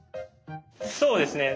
そうですね。